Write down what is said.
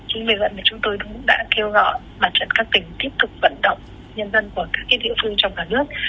chính vì vậy chúng tôi cũng đã kêu gọi mặt trận các tỉnh tiếp tục vận động nhân dân của các địa phương trong cả nước